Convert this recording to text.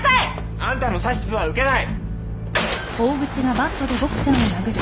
あんたの指図は受けない！